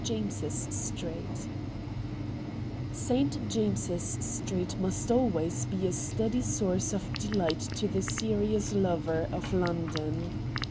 JAMES's STREET St. James's Street must always be a steady source of delight to the serious lover of London.